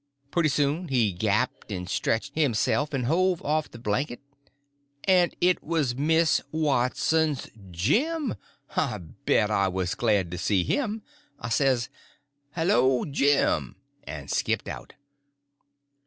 Pretty soon he gapped and stretched himself and hove off the blanket, and it was Miss Watson's Jim! I bet I was glad to see him. I says: "Hello, Jim!" and skipped out.